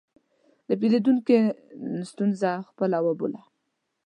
د پیرودونکي ستونزه خپله وبوله.